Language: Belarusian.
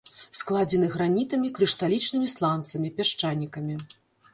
Складзены гранітамі, крышталічнымі сланцамі, пясчанікамі.